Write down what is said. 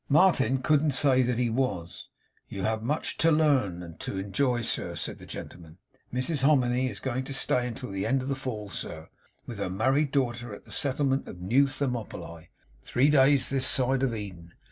Martin couldn't say he was. 'You have much Toe learn, and Toe enjoy, sir,' said the gentleman. 'Mrs Hominy is going Toe stay until the end of the Fall, sir, with her married daughter at the settlement of New Thermopylae, three days this side of Eden.